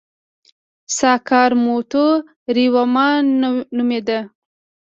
ساکاموتو ریوما نومېده.